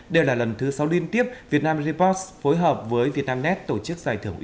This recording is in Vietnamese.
đây là lần thứ sáu liên tiếp việt nam repos phối hợp với việt nam nét tổ chức giải thưởng